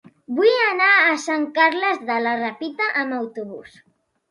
Vull anar a Sant Carles de la Ràpita amb autobús.